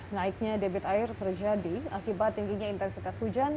naiknya debit air terjadi akibat tingginya intensitas hujan